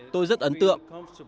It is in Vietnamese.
tôi rất ấn tượng